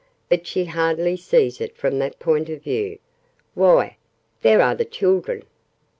But she hardly sees it from that point of view. Why, there are the children!"